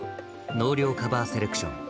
納涼カバーセレクション。